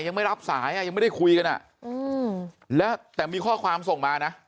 ยังไม่รับสายอ่ะยังไม่ได้คุยกันอ่ะอืมแล้วแต่มีข้อความส่งมานะ